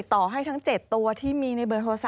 ต่อให้ทั้ง๗ตัวที่มีในเบอร์โทรศั